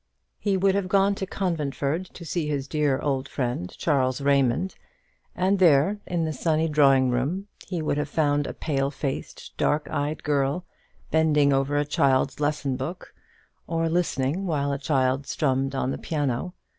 He would have gone to Conventford to see his dear old friend Charles Raymond, and there, in the sunny drawing room, he would have found a pale faced, dark eyed girl bending over a child's lesson book, or listening while a child strummed on the piano.